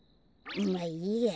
まあいいや。